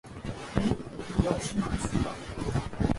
哎，我钥匙哪儿去了？